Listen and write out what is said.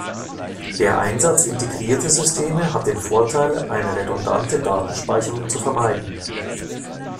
Der Einsatz integrierter Systeme hat den Vorteil, eine redundante Datenspeicherung zu vermeiden.